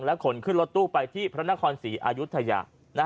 ขนขึ้นรถตู้ไปที่พระนครศรีอายุทยา